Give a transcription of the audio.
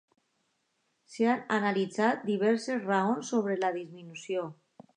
S'han analitzat diverses raons sobre la disminució.